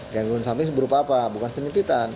gangguan samping berupa apa bukan penyempitan